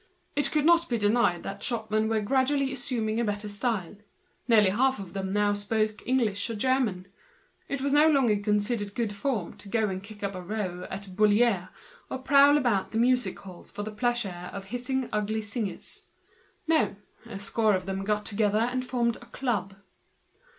It could not be denied; shop men were gradually assuming a better style; nearly half of them now spoke English or German. It was no longer good form to go and kick up a row at Bullier, to prowl about the music halls for the pleasure of hissing ugly singers. No; a score of them got together and formed a club.